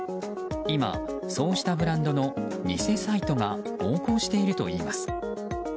今そうしたブランドの偽サイトが横行しているといいます。